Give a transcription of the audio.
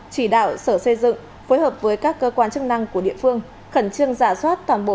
chỉ đạo sở xây dựng phối hợp với các cơ quan chức năng của địa phương khẩn trương giả soát toàn bộ